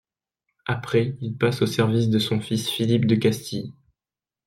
Après, il passe au service de son fils Philippe de Castille.